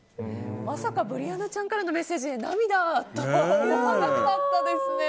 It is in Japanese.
まさかブリアナちゃんからのメッセージで涙とは思わなかったですね。